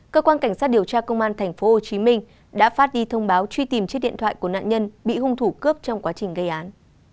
cơ quan cảnh sát điều tra công an tp hcm đã phát đi thông báo truy tìm chiếc điện thoại của nạn nhân bị hung thủ cướp trong quá trình gây án